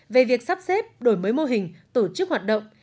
về việc sắp xếp đổi mới mô hình tổ chức hoạt động